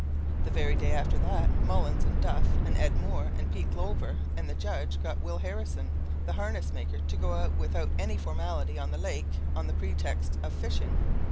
The very day after that, Mullins and Duff and Ed Moore, and Pete Glover and the judge got Will Harrison, the harness maker, to go out without any formality on the lake on the pretext of fishing.